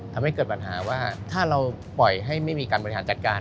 ทำให้เกิดปัญหาว่าถ้าเราปล่อยให้ไม่มีการบริหารจัดการ